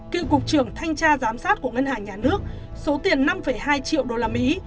cựu cục trưởng thanh tra giám sát của ngân hàng nhà nước số tiền năm hai triệu usd